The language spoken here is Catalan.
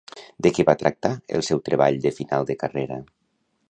De què va tractar el seu treball de final de carrera?